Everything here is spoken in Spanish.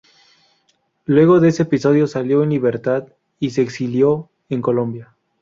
Luego de ese episodio salió en libertad y se exilió en Colombia.